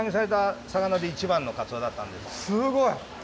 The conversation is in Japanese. すごい！